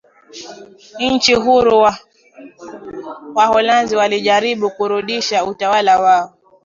nchi huru Waholanzi walijaribu kurudisha utawala wao